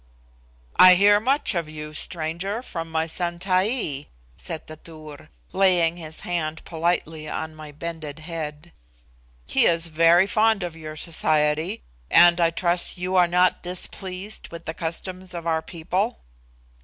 "I hear much of you, stranger, from my son Taee," said the Tur, laying his hand politely on my bended head. "He is very fond of your society, and I trust you are not displeased with the customs of our people."